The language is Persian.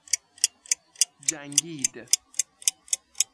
جنگید